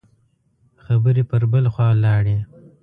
خبرې پر بل خوا لاړې.